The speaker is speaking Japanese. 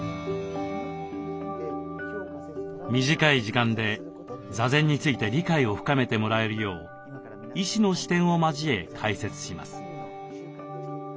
短い時間で座禅について理解を深めてもらえるよう医師の視点を交え解説します。